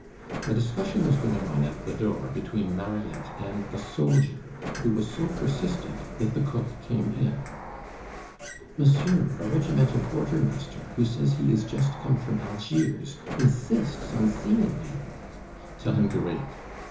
A discussion was going on at the door between Mariette and a soldier, who was so persistent that the cook came in. "Monsieur, a regimental quartermaster, who says he is just come from Algiers, insists on seeing you." "Tell him to wait."